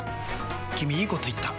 君いいこと言った！